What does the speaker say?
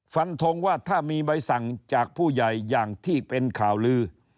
ฟันทงว่าถ้ามีใบสั่งจากผู้ใหญ่อย่างที่เป็นข่าวลือ